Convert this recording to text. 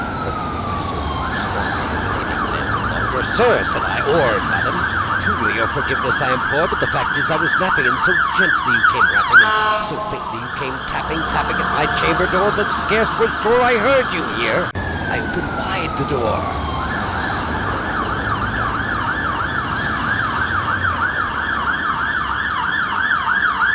Presently my soul grew stronger; hesitating then no longer,"Sir," said I, "or Madam, truly your forgiveness I implore; But the fact is I was napping, and so gently you came rapping, And so faintly you came tapping, tapping at my chamber door, That I scarce was sure I heard you"—here I opened wide the door:—Darkness there and nothing more.